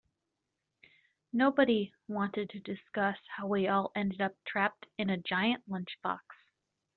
Nobody wanted to discuss how we all ended up trapped in a giant lunchbox.